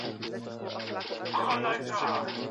راتلونکی په اوسنیو پرېکړو پوري تړلی دی.